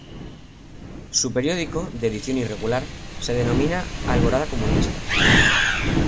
Su periódico, de edición irregular, se denomina "Alborada Comunista".